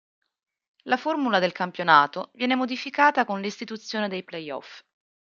La formula del Campionato viene modificata con l'istituzione dei play-off.